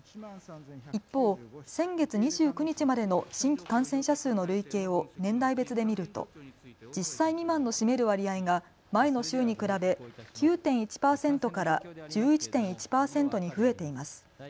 一方、先月２９日までの新規感染者数の累計を年代別で見ると１０歳未満の占める割合が前の週に比べ９．１％から１１．１％に増えています。